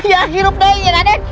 ya hidup lagi raden